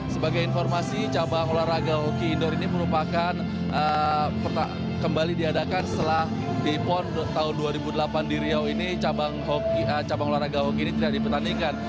sebagai informasi cabang olahraga hoki indoor ini merupakan kembali diadakan setelah bepon tahun dua ribu delapan di riau ini cabang olahraga hoki ini tidak dipertandingkan